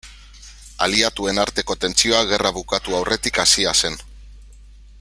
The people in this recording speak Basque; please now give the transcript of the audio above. Aliatuen arteko tentsioa gerra bukatu aurretik hasia zen.